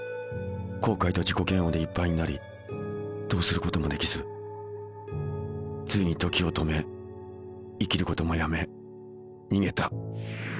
後悔と自己嫌悪でいっぱいになりどうすることもできずついに時を止め生きることもやめ逃げた。